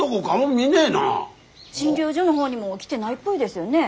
診療所の方にも来てないっぽいですよね。